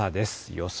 予想